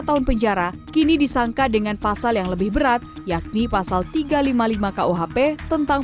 tahun penjara kini disangka dengan pasal yang lebih berat yakni pasal tiga ratus lima puluh lima kuhp tentang